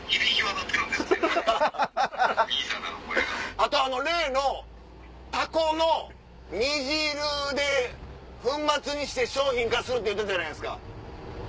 あと例のタコの煮汁で粉末にして商品化するって言うてたやないですか。